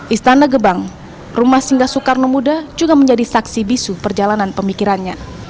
istana gebang rumah singgah soekarno muda juga menjadi saksi bisu perjalanan pemikirannya